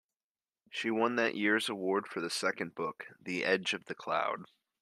She won that year's award for the second book, "The Edge of the Cloud".